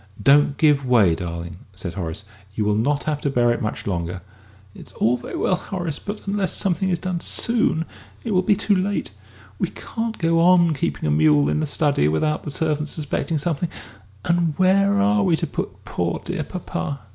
"Don't give way, darling!" said Horace; "you will not have to bear it much longer." "It's all very well, Horace, but unless something is done soon it will be too late. We can't go on keeping a mule in the study without the servants suspecting something, and where are we to put poor, dear papa?